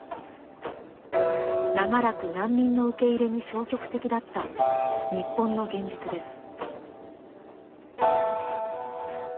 長らく難民の受け入れに消極的だった日本の現実です。